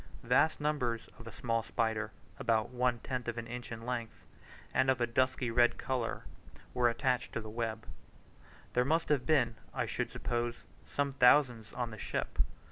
Vast numbers of a small spider, about one tenth of an inch in length, and of a dusky red colour, were attached to the webs. There must have been, I should suppose, some thousands on the ship.